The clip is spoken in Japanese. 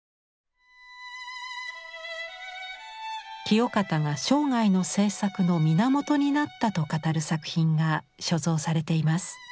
清方が生涯の制作の源になったと語る作品が所蔵されています。